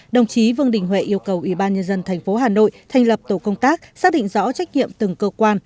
đồng chí vương đình huệ yêu cầu ủy ban nhân dân tp hà nội thành lập tổ công tác xác định rõ trách nhiệm từng cơ quan